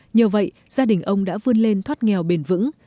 nhờ vậy gia đình ông đã vươn lên thoát nghèo bền vững